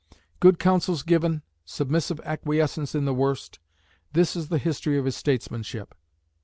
Good counsels given, submissive acquiescence in the worst this is the history of his statesmanship.